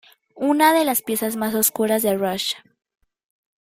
Una de las piezas más oscuras de Rush.